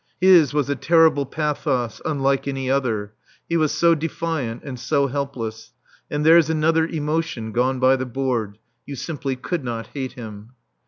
His was a terrible pathos, unlike any other. He was so defiant and so helpless. And there's another emotion gone by the board. You simply could not hate him.